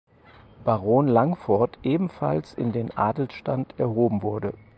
Baron Langford ebenfalls in den Adelsstand erhoben wurde.